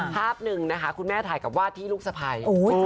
ภาพหนึ่งคุณแม่ถ่ายกับวาดที่ลุคสภัย